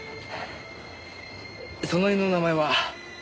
その犬の名前は？